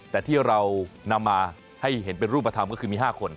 แต่ที่เรานำมาให้เห็นเป็นรูปธรรมก็คือมี๕คน